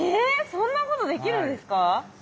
そんなことできるんですか？